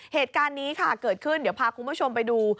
เหตุการณ์นี้ค่ะเกิดขึ้นเดี๋ยวพาคุณผู้ชมไปดู